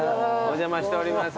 お邪魔しております。